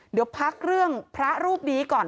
เดี๋ยวพักเรื่องพระรูปนี้ก่อน